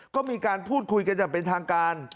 ก็มีการพูดคุยกันอย่างเป็นทางการ